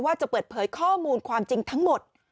ว่าจะเปิดเผยข้อมูลความจริงทั้งหมด